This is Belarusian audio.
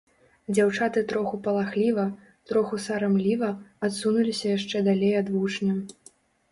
Дзяўчаты троху палахліва, троху сарамліва адсунуліся яшчэ далей ад вучня.